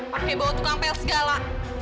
pak hei bawa tukang pel segala